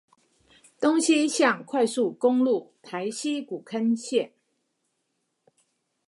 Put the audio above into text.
東西向快速公路台西古坑線